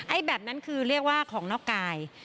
แบบนั้นคือเรียกว่าของนอกกาย